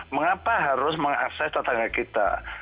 mengapa harus mengakses tetangga kita